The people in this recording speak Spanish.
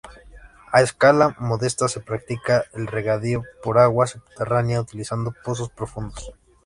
A escala modesta se practica el regadío por agua subterránea utilizando pozos profundos.